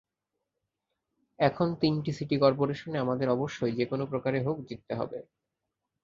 এখন তিনটি সিটি করপোরেশনে আমাদের অবশ্যই যেকোনো প্রকারে হোক জিততে হবে।